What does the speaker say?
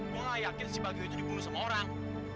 lo gak yakin si baggio itu dibunuh sama orang